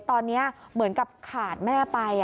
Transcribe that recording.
ตอนนี้เหมือนกับขาดแม่ไป